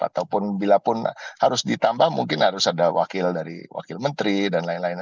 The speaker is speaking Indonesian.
ataupun bila pun harus ditambah mungkin harus ada wakil dari wakil menteri dan lain lain